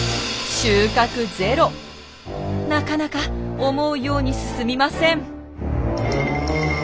なかなか思うように進みません。